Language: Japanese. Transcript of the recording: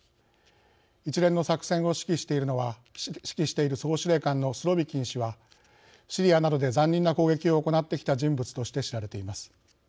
一連の作戦を指揮している総司令官のスロビキン氏はシリアなどで残忍な攻撃を行ってきた人物として知られています。